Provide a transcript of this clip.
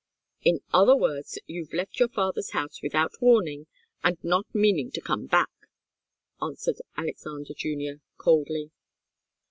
"In other words, you've left your father's house without warning, and not meaning to come back," answered Alexander Junior, coldly.